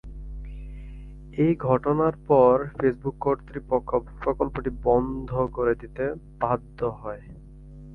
এই ঘটনার পর ফেসবুক কর্তৃপক্ষ প্রকল্পটি বন্ধ করে দিতে বাধ্য হয়।